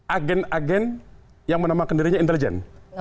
agen agen yang menamakan dirinya intelijen